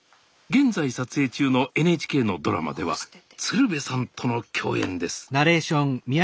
現在撮影中のＮＨＫのドラマでは鶴瓶さんとの共演です。